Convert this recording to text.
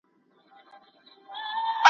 اوسېدونکو افغانانو ټلیفون راته وکړ `